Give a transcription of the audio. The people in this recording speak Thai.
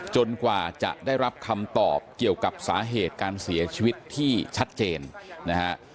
กว่าจะได้รับคำตอบเกี่ยวกับสาเหตุการเสียชีวิตที่ชัดเจนนะฮะ